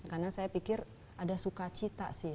karena saya pikir ada sukacita sih ya